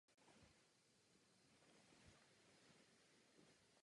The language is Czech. Vydává při tom zřejmě jemný zvuk.